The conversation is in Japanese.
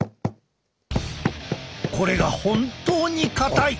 これが本当に硬い！